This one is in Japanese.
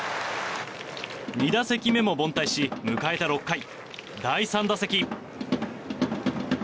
２打席目も凡退し、迎えた６回第３打席。